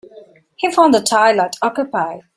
He found the toilet occupied.